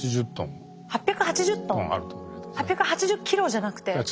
８８０キロじゃなくて？